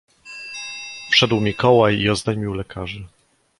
"Wszedł Mikołaj i oznajmił lekarzy."